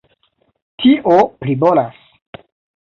Tio pli bonas!